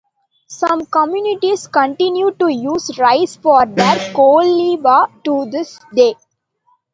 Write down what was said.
Some communities continue to use rice for their koliva to this day.